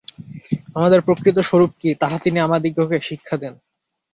আমাদের প্রকৃত স্বরূপ কি, তাহা তিনি আমাদিগকে শিক্ষা দেন।